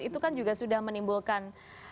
itu kan juga sudah menimbulkan